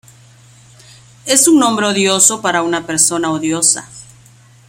Es un nombre odioso para una persona odiosa".